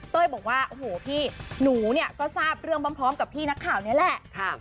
บอกว่าโอ้โหพี่หนูเนี่ยก็ทราบเรื่องพร้อมกับพี่นักข่าวนี้แหละ